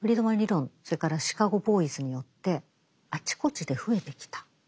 それからシカゴ・ボーイズによってあちこちで増えてきた。